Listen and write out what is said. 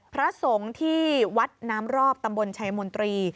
พระสงฆ์ที่วัดน้ำรอบตำบลชัยมนตรี